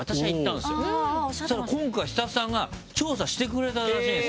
そしたら今回スタッフさんが調査してくれたらしいんですよ。